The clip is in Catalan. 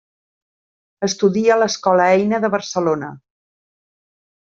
Estudia a l'Escola Eina de Barcelona.